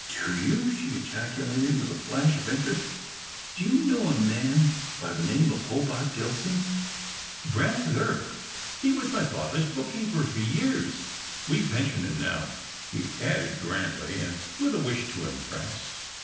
"Do you?" she ejaculated, with a flash of interest. "Do you know a man by the name of Hobart Dillson?" "Rather he was my father's bookkeeper for years. We pension him now," he added, grandly, and with a wish to impress.